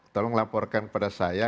tolong laporkan kepada saya